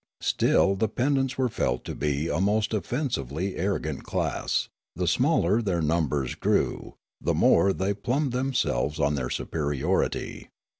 Still the pedants were felt to be a most offensively arrogant class ; the smaller their numbers grew, the more they plumed themselves on their superiority.